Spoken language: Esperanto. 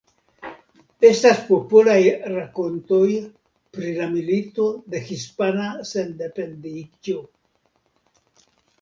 Estas popolaj rakontoj pri la Milito de Hispana Sendependiĝo.